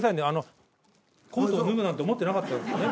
あのコートを脱ぐなんて思ってなかったんで。